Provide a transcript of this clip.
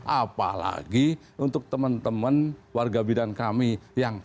apalagi untuk teman teman warga bidan kami yang